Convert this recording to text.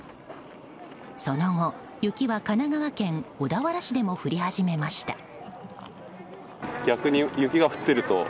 その後、雪は神奈川県小田原市でも降り始めました。